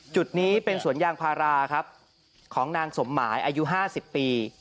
จุดนี้เป็นสวนยางพาราครับของนางสมหมายอายุ๕๐ปี